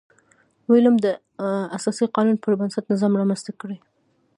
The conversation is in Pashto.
ویلیم د اساسي قانون پربنسټ نظام رامنځته کړي.